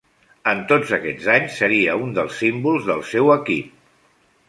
En tots aquests anys, seria un dels símbols del seu equip.